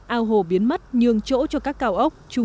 ao hồ biến mất nhường chỗ cho các hồ